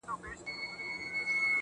نه؛ مزل سخت نه و، آسانه و له هري چاري,